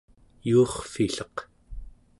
yuurrvilleq